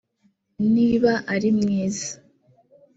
niba ari mwiza